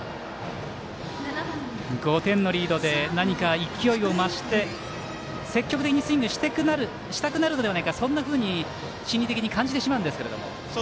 ５点のリードで何か勢いを増して積極的にスイングしたくなるのではないかそんなふうに心理的に感じてしまうんですけれども。